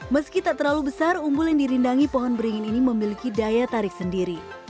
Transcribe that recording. meski tak terlalu besar umbul yang dirindangi pohon beringin ini memiliki daya tarik sendiri